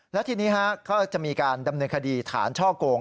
แล้วทีนี้ก็จะมีการดำเนินคดีฐานช่อโกง